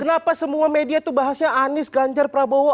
kenapa semua media itu bahasnya anies ganjar prabowo